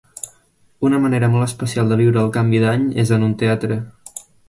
Una manera molt especial de viure el canvi d’any és en un teatre.